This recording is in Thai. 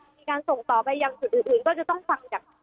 มีการส่งต่อไปยังจุดอื่นก็จะต้องฟังจาก